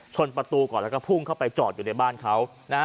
ประตูก่อนแล้วก็พุ่งเข้าไปจอดอยู่ในบ้านเขานะฮะ